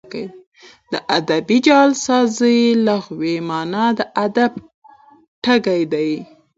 د ادبي جعلسازۍ لغوي مانا د ادب ټګي ده.